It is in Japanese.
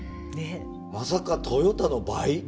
まさかトヨタの倍。